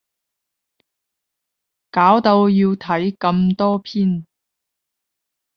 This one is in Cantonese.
搞到要睇咁多篇